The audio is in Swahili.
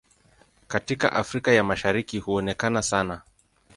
Katika Afrika ya Mashariki huonekana sana.